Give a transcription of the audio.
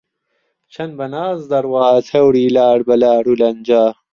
چەند بە ناز دەڕوات هەوری لار بە لارو لەنجە